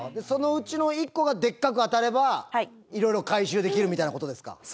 そのうちの１個がでっかく当たればいろいろ回収できるみたいな事ですか？